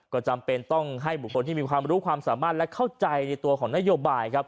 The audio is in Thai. ก็จำเป็นต้องให้บุคคลที่มีความรู้ความสามารถและเข้าใจในตัวของนโยบายครับ